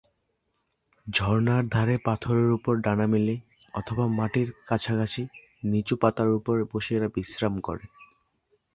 ঝর্ণার ধারে পাথরের উপর ডানা মেলে অথবা মাটির কাছাকাছি নিচু পাতার উপর বসে এরা বিশ্রাম করে।